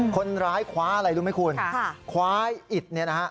คนร้ายคว้าอะไรรู้ไหมคุณค่ะคว้าอิดเนี่ยนะฮะ